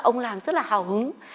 ông làm rất là hào hứng